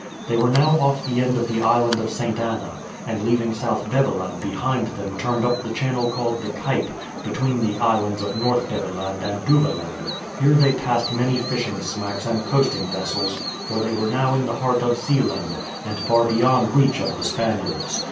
They were now off the end of the Island of St. Anna, and leaving South Beveland behind them turned up the channel called the Kype, between the Islands of North Beveland and Duveland. Here they passed many fishing smacks and coasting vessels, for they were now in the heart of Zeeland, and far beyond reach of the Spaniards.